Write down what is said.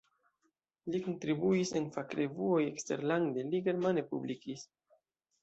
Li kontribuis en fakrevuoj, eksterlande li germane publikis.